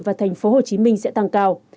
và thành phố hồ chí minh sẽ tăng cao